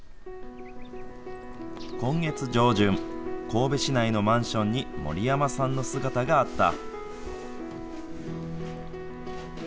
今月上旬、神戸市内のマンションに森山さんの姿があった。